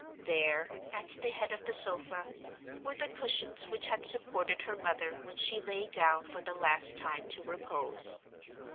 There, at the head of the sofa, were the cushions which had supported her mother when she lay down for the last time to repose.